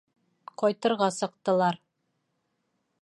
Ҡайтырға сыҡтылар.